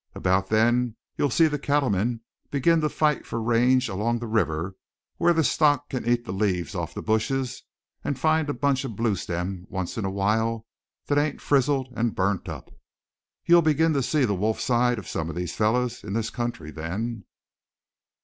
About then you'll see the cattlemen begin to fight for range along the river where their stock can eat the leaves off of the bushes and find a bunch of bluestem once in a while that ain't frizzled and burnt up. You'll begin to see the wolf side to some of these fellers in this country then."